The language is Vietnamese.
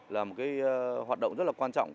là một hoạt động rất là quan trọng